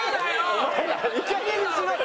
お前らいい加減にしろよ